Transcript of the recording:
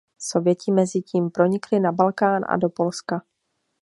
Sověti mezitím pronikli na Balkán a do Polska.